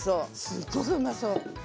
すっごくうまそう。